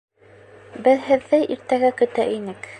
Беҙ һеҙҙе иртәгә көтә инек.